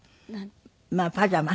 まあパジャマ。